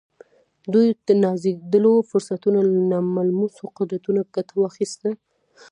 دوی د نازېږېدلو فرصتونو له ناملموسو قدرتونو ګټه واخيسته.